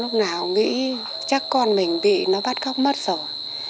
lúc nào nghĩ chắc con mình bị nó bắt cóc mất rồi